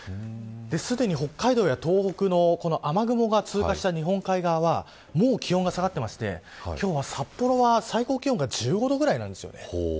すでに、北海道や東北の雨雲が通過した日本海側はもう気温が下がってまして今日は札幌は最高気温が１５度ぐらいなんです。